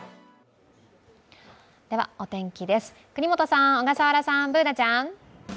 お天気です、國本さん、小笠原さん、Ｂｏｏｎａちゃん。